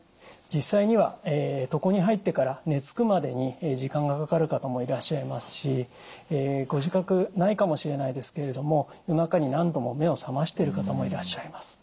実際には床に入ってから寝つくまでに時間がかかる方もいらっしゃいますしご自覚ないかもしれないですけれども夜中に何度も目を覚ましている方もいらっしゃいます。